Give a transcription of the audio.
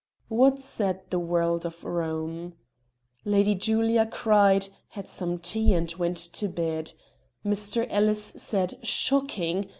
What said the world of Rome? Lady Julia cried, had some tea, and went to bed; Mr. Ellis said "shocking!"